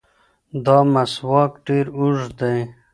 دا مسواک ډېر اوږد دی.